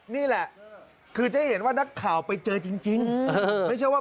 นี่แหละคือจะเห็นว่านักข่าวไปเจอจริงไม่ใช่ว่า